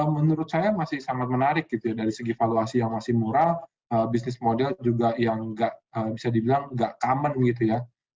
menurut saya masih sangat menarik gitu ya dari segi valuasi yang masih murah bisnis model juga yang bisa dibilang nggak common gitu ya